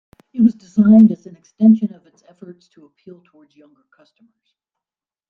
It was designed as an extension of its efforts to appeal towards younger customers.